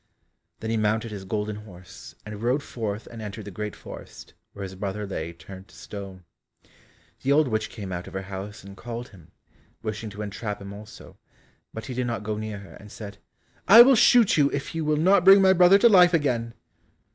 Then he mounted his golden horse, and rode forth and entered the great forest, where his brother lay turned to stone. The old witch came out of her house and called him, wishing to entrap him also, but he did not go near her, and said, "I will shoot you, if you will not bring my brother to life again."